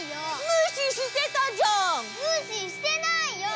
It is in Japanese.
むししてないよ。